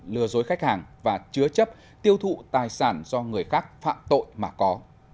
lừa dối khách hàng và chứa chấp tiêu thụ tài sản do người khác phạm tội mà có